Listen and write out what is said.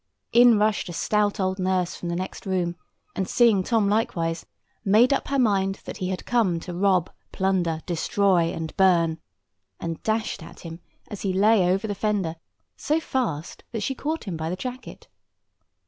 In rushed a stout old nurse from the next room, and seeing Tom likewise, made up her mind that he had come to rob, plunder, destroy, and burn; and dashed at him, as he lay over the fender, so fast that she caught him by the jacket.